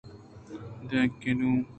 دانکہ نوں